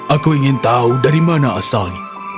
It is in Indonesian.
aku ingin tahu dari mana asalnya